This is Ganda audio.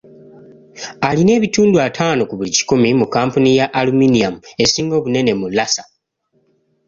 Alina ebitundu ataano ku buli kikumi mu kampuni ya Aluminiyamu, esinga obunene mu Lassa.